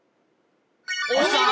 お見事！